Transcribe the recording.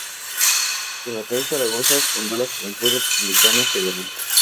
En su natal Zaragoza fundó la Juventud Republicana Federal.